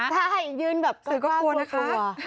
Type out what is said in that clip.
ใช่ยืนแบบก็กลัวนะคะ